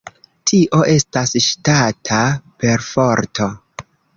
Tio estas ŝtata perforto.